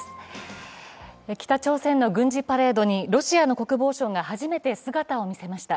北朝鮮の軍事パレードにロシアの国防相が初めて姿を見せました。